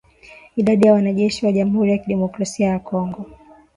Idadi ya wanajeshi wa jamhuri ya kidemokrasia ya Kongo